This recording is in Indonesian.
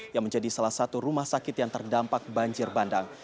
yang menjadi salah satu rumah sakit yang terdampak banjir bandang